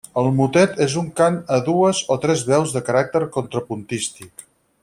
El motet és un cant a dues o tres veus de caràcter contrapuntístic.